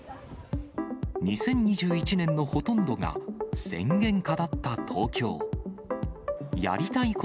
２０２１年のほとんどが宣言下だった東京。